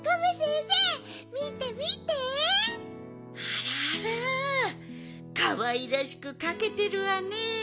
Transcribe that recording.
あらあらかわいらしくかけてるわね。